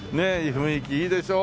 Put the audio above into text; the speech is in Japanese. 雰囲気いいでしょう。